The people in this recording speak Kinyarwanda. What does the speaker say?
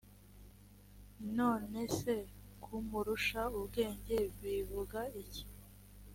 none se kumurusha ubwenge bivuga iki?